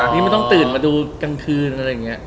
ไม่ใช่ต้องตื่นมาดูทางนง่วง